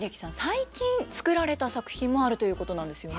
最近作られた作品もあるということなんですよね。